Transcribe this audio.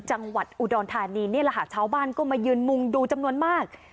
จังหวัดอุดรธานีนี่แหละค่ะชาวบ้านก็มายืนมุงดูจำนวนมาก